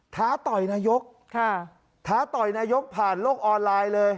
ท้าต่อยนายกท้าต่อยนายกผ่านโลกออนไลน์เลย